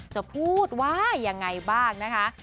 จะพูดว่ายังไงบ้างนะคะ